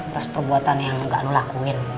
terus perbuatan yang gak lu lakuin